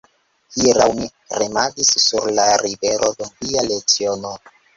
Hieraŭ mi remadis sur la rivero dum via leciono.